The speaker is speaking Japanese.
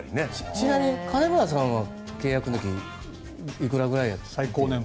ちなみに、金村さんは契約金いくらぐらいだったんですか？